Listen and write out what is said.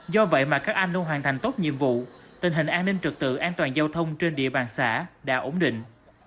do vậy mà các anh đã hoàn thành tốt nhiệm vụ tình hình an ninh trực tự an toàn giao thông trên địa bàn xã đã ổn định